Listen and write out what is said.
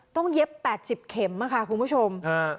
เย็บ๘๐เข็มค่ะคุณผู้ชม